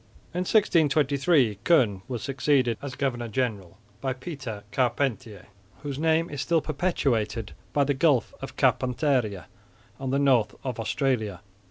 In 1623 Koen was succeeded, as governor general, by Pieter Carpentier, whose name is still perpetuated by the Gulf of Carpentaria on the north of Australia.